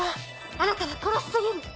あなたは殺し過ぎる。